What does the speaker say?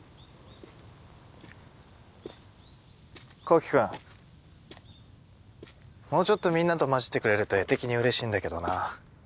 紘希君もうちょっとみんなと交じってくれると画的にうれしいんだけどな。